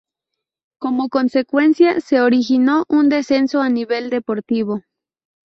Como consecuencia, se originó un descenso a nivel deportivo.